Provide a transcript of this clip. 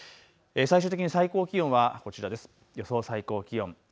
最終的に最高気温はこちらです。